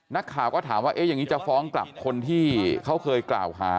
นักข่าวก็ถามว่าเอ๊ะอย่างนี้จะฟ้องกลับคนที่เขาเคยกล่าวหา